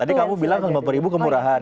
tadi kamu bilang lima puluh ribu kemurahan